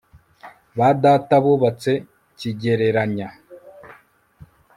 ba data bubatse kigereranya